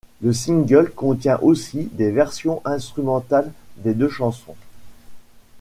Le single contient aussi les versions instrumentales des deux chansons.